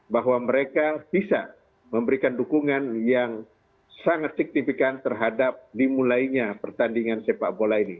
bahwa mereka bisa memberikan dukungan yang sangat signifikan terhadap dimulainya pertandingan sepak bola ini